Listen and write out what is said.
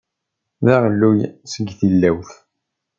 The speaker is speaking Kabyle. D aɣelluy seg tilawt.